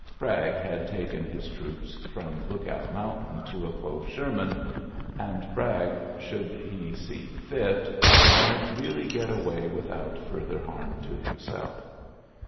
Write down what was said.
Bragg had taken his troops from Lookout Mountain to oppose Sherman ; and Bragg, should he see fit, might really get away without further harm to himself.